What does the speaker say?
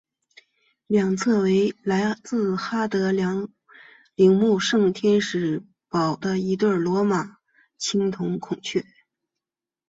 两侧为来自哈德良陵墓圣天使城堡的一对罗马的青铜孔雀。